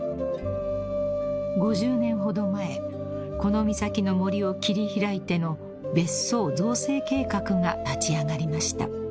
［５０年ほど前この岬の森を切り開いての別荘造成計画が立ち上がりました］